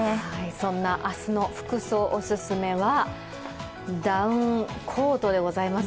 そんな明日の服装、お勧めはダウンコートでございます。